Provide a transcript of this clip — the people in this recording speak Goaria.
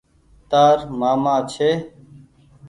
تآر مآمآ ڇي۔